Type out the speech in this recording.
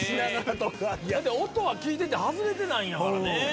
だって音は聴いてて外れてないんやからね。